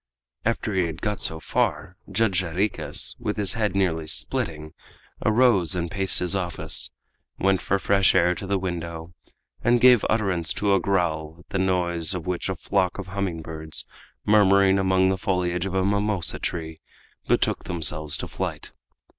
After he had got so far, Judge Jarriquez, with his head nearly splitting, arose and paced his office, went for fresh air to the window, and gave utterance to a growl, at the noise of which a flock of hummingbirds, murmuring among the foliage of a mimosa tree, betook themselves to flight.